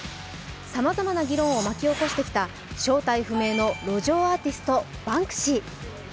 さまざまな議論を巻き起こしてきた正体不明の路上アーティスト、バンクシー。